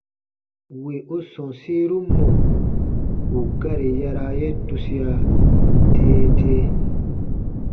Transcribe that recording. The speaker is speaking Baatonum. Wì u sɔ̃ɔsiru mɔ̀ ù gari yaraa ye tusia dee dee.